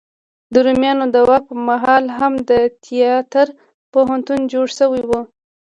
د روميانو د واک په مهال هم د تیاتر پوهنتون جوړ شوی و.